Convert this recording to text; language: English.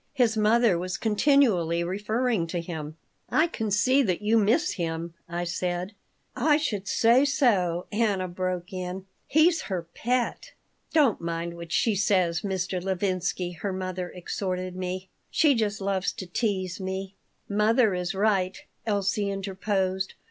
His mother was continually referring to him "I can see that you miss him," I said "I should say so," Anna broke in. "He's her pet." "Don't mind what she says, Mr. Levinsky," her mother exhorted me. "She just loves to tease me." "Mother is right," Elsie interposed.